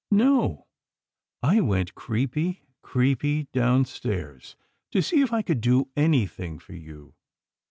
— no, I went creepy, creepy downstairs to see if I could do anything for you.